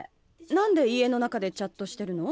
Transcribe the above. なんで家の中でチャットしてるの？